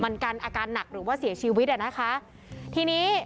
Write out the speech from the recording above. มันกันอาการหนักหรือว่าเสียชีวิตอ่ะนะคะทีนี้